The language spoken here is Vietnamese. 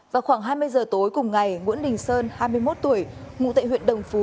vào khoảng hai mươi giờ tối cùng ngày nguyễn đình sơn hai mươi một tuổi ngụ tại huyện đồng phú